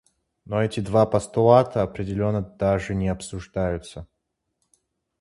Но эти два постулата определенно даже не обсуждаются.